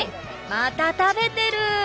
また食べてる！